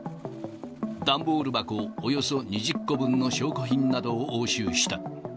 段ボール箱およそ２０個分の証拠品などを押収した。